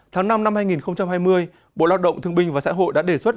tháng năm năm hai nghìn hai mươi bộ lao động thương binh và xã hội đã đề xuất